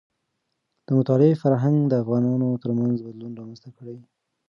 د مطالعې فرهنګ د افغانانو ترمنځ بدلون رامنځته کړي.